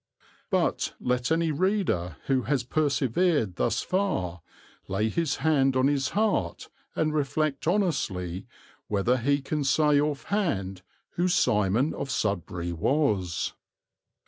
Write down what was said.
But let any reader who has persevered thus far lay his hand on his heart and reflect honestly whether he can say offhand who Simon of Sudbury was.